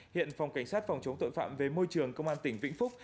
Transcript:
hiện phòng cảnh sát phòng chống tội phạm về môi trường công an tỉnh vĩnh phúc